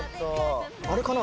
あれかな？